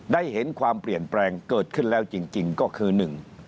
ได้เห็นความเปลี่ยนแปลงเกิดขึ้นแล้วจริงก็คือหนึ่ง